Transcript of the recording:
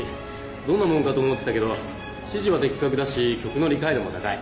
どんなもんかと思ってたけど指示は的確だし曲の理解度も高い。